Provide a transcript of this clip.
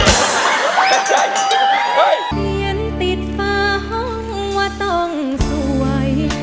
เขียนติดฟ้าห้องว่าต้องสวย